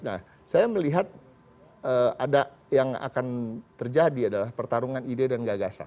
nah saya melihat ada yang akan terjadi adalah pertarungan ide dan gagasan